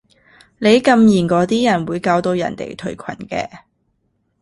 你禁言嗰啲人會搞到人哋退群嘅